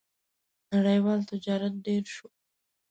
• نړیوال تجارت ډېر شو.